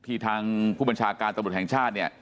ที่ทางผู้บริเฉลาศาการทหารชาติเนี่ย